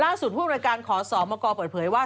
ล่าสุดผู้บริการขอสอบมาก่อเปิดเผยว่า